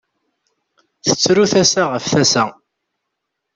Tettru tasa ɣef tasa.